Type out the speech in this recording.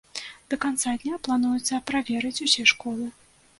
Да канца дня плануецца праверыць усе школы.